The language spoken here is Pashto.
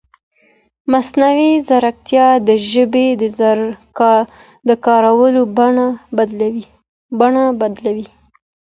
مصنوعي ځیرکتیا د ژبې د کارولو بڼه بدلوي.